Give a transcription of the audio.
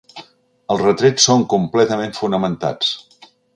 Els retrets són completament fonamentats.